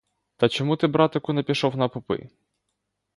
Та чому ти, братику, не пішов на попи?